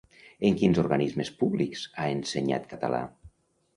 En quins organismes públics ha ensenyat català?